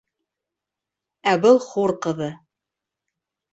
Ә был хур ҡыҙы.